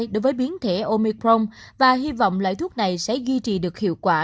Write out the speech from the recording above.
đối với biến thể omicron và hy vọng loại thuốc này sẽ duy trì được hiệu quả